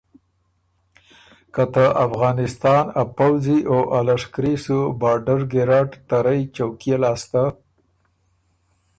که ته افغانستان ا پؤځی او ا لشکري سُو بارډر ګیرډ ته رئ چوکيې لاسته